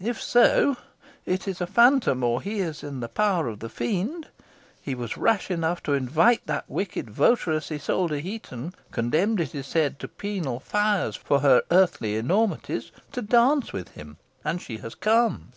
"If so, it is a phantom or he is in the power of the fiend. He was rash enough to invite that wicked votaress, Isole de Heton, condemned, it is said, to penal fires for her earthly enormities, to dance with him, and she has come."